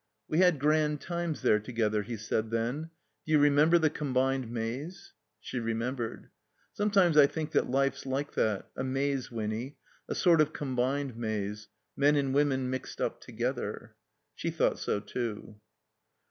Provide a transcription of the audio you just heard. ''We had grand times there together," he said then. ''Do you remember the Combined Maze?" She remembered. "Sometimes I think that life's like that — a maze, Winny. A sort of Combined Maze — men and women — mixed up together." She thought so too.